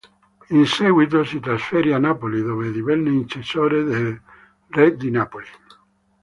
In seguito si trasferì a Napoli, dove divenne incisore del Re di Napoli.